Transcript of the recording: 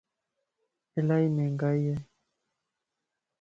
الائي مھنگائي ائي.